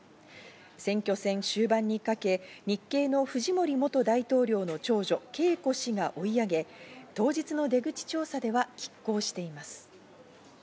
選挙戦終盤にかけ、日系のフジモリ元大統領の長女・ケイコ氏が追い上げ当日の出口調査では、拮抗しています。